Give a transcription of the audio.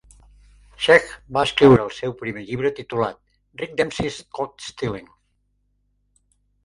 Schaech va escriure el seu primer llibre titulat "Rick Dempsey's Caught Stealing".